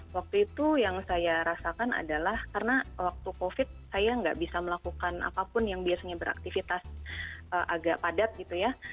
waktu itu yang saya rasakan adalah karena waktu covid saya nggak bisa melakukan apapun yang biasanya beraktivitas agak padat gitu ya